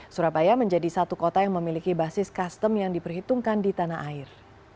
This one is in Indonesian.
surabaya menjadi satu kota yang memiliki basis custom yang diperhitungkan di tanah air